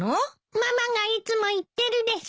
ママがいつも言ってるです。